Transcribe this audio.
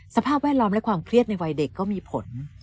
แวดล้อมและความเครียดในวัยเด็กก็มีผล